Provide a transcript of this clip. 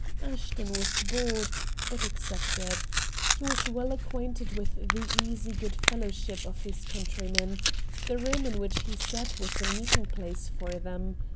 Ashton was bored, but accepted. He was well acquainted with the easy good fellowship of his countrymen. The room in which he sat was a meeting place for them.